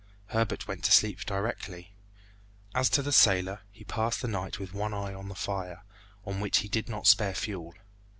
Herbert went to sleep directly. As to the sailor, he passed the night with one eye on the fire, on which he did not spare fuel.